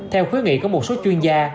theo khuyến nghị của một số chuyên gia